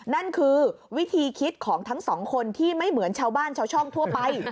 นั่นคือวิธีคิดของทั้งสองคนที่ไม่เหมือนชาวบ้านชาวช่องทั่วไป